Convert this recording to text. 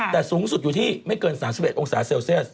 แต่สูงสุดอยู่ที่ไม่เกิน๓๑องศาเซลเซียส